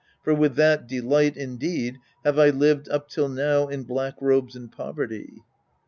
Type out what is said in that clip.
For with that delight, indeed, have I lived up till now in black robes and poverty.